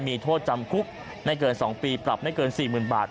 มีโทษจำคุกไม่เกิน๒ปีปรับไม่เกิน๔๐๐๐บาท